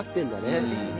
そうですね。